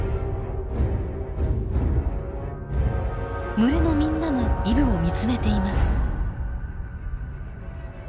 群れのみんなもイブを見つめています。